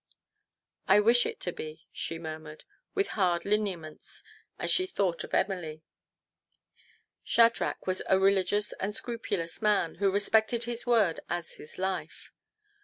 " I wish it to be," she murmured, with hard lineaments, as she thought of Emily. Shadrach was a religious and scrupulous man, who respected his word as his life.